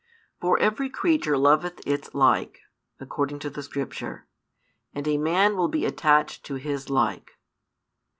For every creature loveth its like, according to the Scripture, and a man will be attached to his like.